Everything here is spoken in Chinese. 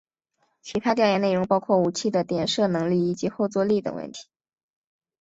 其他调研内容包括武器的点射能力以及后座力等问题。